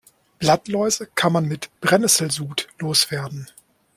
Blattläuse kann man mit Brennesselsud loswerden.